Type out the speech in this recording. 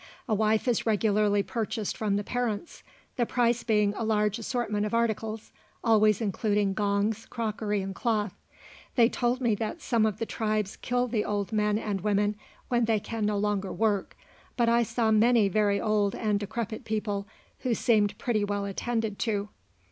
A wife is regularly purchased from the parents, the price being a large assortment of articles, always including gongs, crockery, and cloth. They told me that some of the tribes kill the old men and women when they can no longer work, but I saw many very old and decrepid people, who seemed pretty well attended to.